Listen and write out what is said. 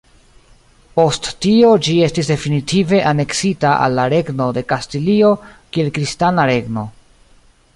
Post tio ĝi estis definitive aneksita al la Regno de Kastilio kiel kristana regno.